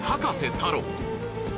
太郎。